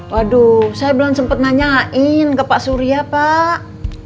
waduh saya belum sempat nanyain ke pak surya pak